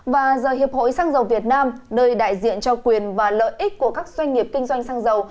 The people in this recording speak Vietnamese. và giờ hiệp hội xăng dầu việt nam nơi đại diện cho quyền và lợi ích của các doanh nghiệp kinh doanh xăng dầu